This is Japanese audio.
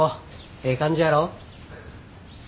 ええ感じやろ？